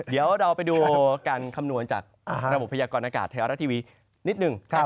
เดี๋ยวเราไปดูการคำนวณจากระบบพยากรณากาศไทยรัฐทีวีนิดหนึ่ง